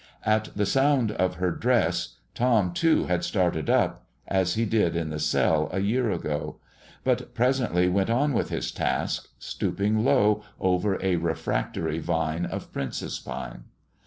At the sound of her dress, Tom, too, had started up, as he did in the cell a year ago; but presently went on with his task, stooping low over a refractory vine of princess pine.